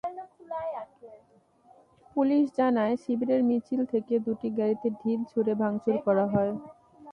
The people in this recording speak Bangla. পুলিশ জানায়, শিবিরের মিছিল থেকে দুটি গাড়িতে ঢিল ছুড়ে ভাঙচুর করা হয়।